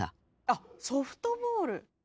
あソフトボール！